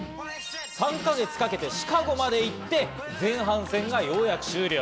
３か月かけてシカゴまで行って前半戦がようやく終了。